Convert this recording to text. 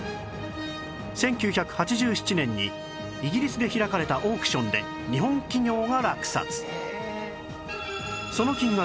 １９８７年にイギリスで開かれたオークションで日本企業が落札